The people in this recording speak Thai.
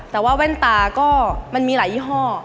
แต่ว่าแว่นตาก็มันมีหลายยี่ห้อ